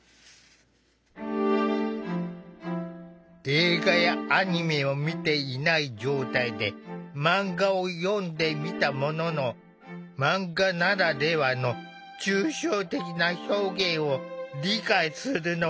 映画やアニメを見ていない状態でマンガを読んでみたもののマンガならではの抽象的な表現を理解するのは難しかった。